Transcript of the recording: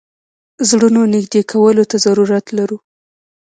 زړونو نېږدې کولو ته ضرورت لرو.